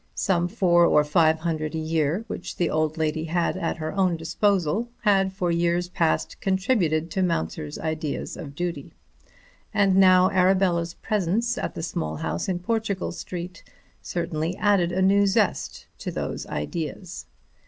Some four or five hundred a year, which the old lady had at her own disposal, had for years past contributed to Mounser's ideas of duty. And now Arabella's presence at the small house in Portugal Street certainly added a new zest to those ideas.